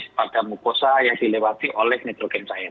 jadi ini adalah keputusan yang dilewati oleh nitrogen cair